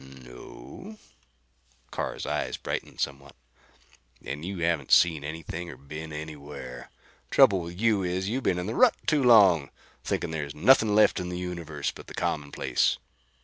"No o." Carr's eyes brightened somewhat. "Then you haven't seen anything or been anywhere. Trouble with you is you've been in the rut too long. Thinking there's nothing left in the universe but the commonplace.